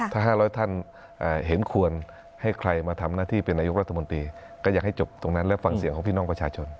ถ้า๕๐๐ท่านเห็นควรให้ใครมาทำหน้าที่เป็นนายกรัฐมนตรีก็อยากให้จบตรงนั้นและฟังเสียงของพี่น้องประชาชน